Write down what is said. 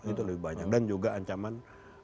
itu lebih banyak dan juga ancaman